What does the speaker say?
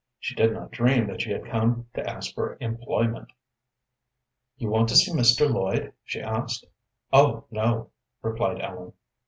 She did not dream that she had come to ask for employment. "You want to see Mr. Lloyd?" she asked. "Oh no!" replied Ellen.